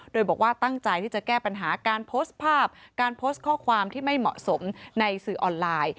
โดยบอกว่าตั้งใจที่จะแก้ปัญหาการโพสต์ภาพการโพสต์ข้อความที่ไม่เหมาะสมในสื่อออนไลน์